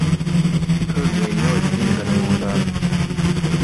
Hõõgveini joodi siin ka nõukogude ajal.